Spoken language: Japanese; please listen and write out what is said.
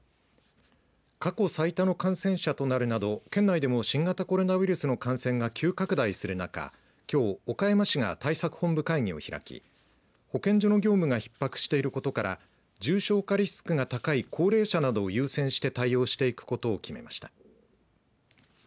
過去最多の感染者となるなど県内でも新型コロナウイルスの感染が急拡大する中きょう岡山市が対策本部会議を開き保健所の業務がひっ迫していることから重症化リスクが高い高齢者などを優先して対応していくことを決めました。